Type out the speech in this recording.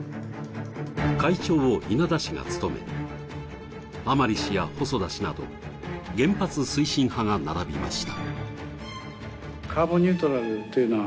会長を稲田氏が務め、甘利氏や細田氏など原発推進派が並びました。